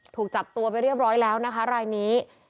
ถูกจับตัวไปเรียบร้อยแล้วนะคะรายนี้